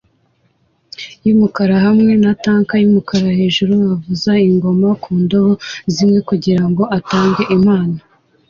yumukara hamwe na tank yumukara hejuru avuza ingoma ku ndobo zimwe kugirango atange impano